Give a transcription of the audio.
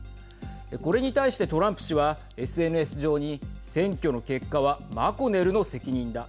これに対してトランプ氏はＳＮＳ上に選挙の結果はマコネルの責任だ。